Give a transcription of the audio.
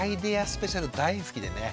スペシャル大好きでね。